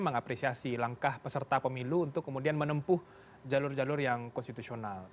mengapresiasi langkah peserta pemilu untuk kemudian menempuh jalur jalur yang konstitusional